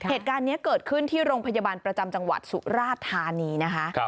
เหตุการณ์นี้เกิดขึ้นที่โรงพยาบาลประจำจังหวัดสุราธานีนะคะ